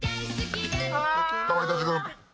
かまいたち軍。